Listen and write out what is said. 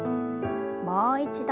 もう一度。